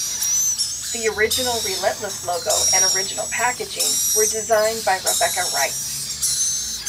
The original Relentless logo and original packaging were designed by Rebecca Wright.